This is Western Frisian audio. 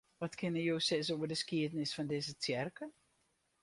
Wat kinne jo sizze oer de skiednis fan dizze tsjerke?